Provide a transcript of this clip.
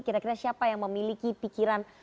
kira kira siapa yang memiliki pikiran